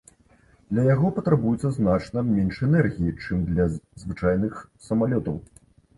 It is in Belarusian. Для яго патрабуецца значна менш энергіі, чым для звычайных самалётаў.